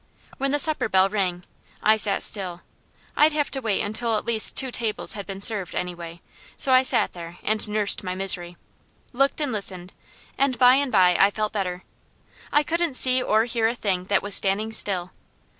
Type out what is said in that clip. When the supper bell rang, I sat still. I'd have to wait until at least two tables had been served, anyway, so I sat there and nursed my misery, looked and listened, and by and by I felt better. I couldn't see or hear a thing that was standing still.